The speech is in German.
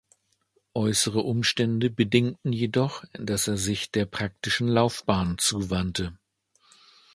Äußere Umstände bedingten jedoch, dass er sich der praktischen Laufbahn zuwandte.